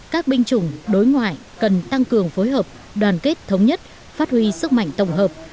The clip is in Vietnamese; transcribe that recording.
các binh chủng đối ngoại cần tăng cường phối hợp đoàn kết thống nhất phát huy sức mạnh tổng hợp